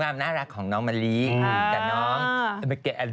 ความน่ารักของน้องมะลิกับน้อง